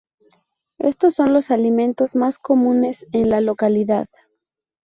Estos son los alimentos más comunes en la Localidad.